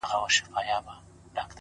• ستا د مستۍ په خاطر ـ